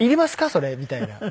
それみたいな。